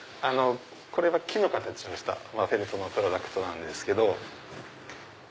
これは木の形をしたフェルトのプロダクトなんですけど。